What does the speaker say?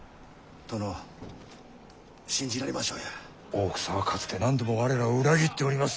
大草はかつて何度も我らを裏切っております。